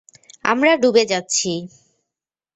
আমরা ডুবে যাচ্ছি।